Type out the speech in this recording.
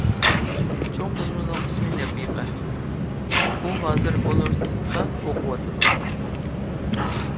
چوڭ قىزىمىزنىڭ ئىسمى نەپىقە، ئۇ ھازىر ئۇنىۋېرسىتېتتا ئوقۇۋاتىدۇ.